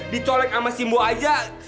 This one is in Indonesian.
dicolek sama simpo aja